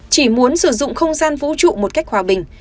chỉ muốn sử dụng không gian vũ trụ một cách hòa bình